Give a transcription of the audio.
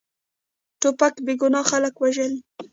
توپک بېګناه خلک وژلي.